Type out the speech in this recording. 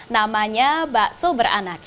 namanya bakso beranak